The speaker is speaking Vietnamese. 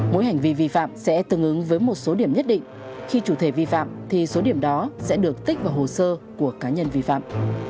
mỗi hành vi vi phạm sẽ tương ứng với một số điểm nhất định khi chủ thể vi phạm thì số điểm đó sẽ được tích vào hồ sơ của cá nhân vi phạm